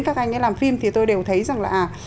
các anh ấy làm phim thì tôi đều thấy rằng là